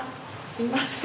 すいません。